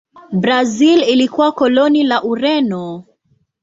Brazil ilikuwa koloni la Ureno.